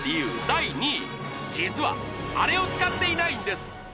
第２位実はあれを使っていないんです